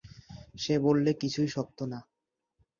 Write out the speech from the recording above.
সে বললে, কিছুই শক্ত না।